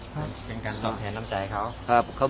ก็เป็นการตอบแทนน้ำใจเขา